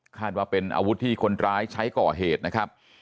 ว่าเป็นอาวุธที่คนร้ายใช้ก่อเหตุนะครับ